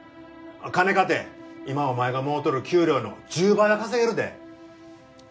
金かて今お前がもろうとる給料の１０倍は稼げるで。